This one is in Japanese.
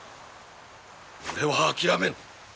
俺は諦めぬ！